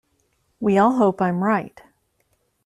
We all hope I am right.